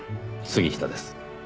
杉下です。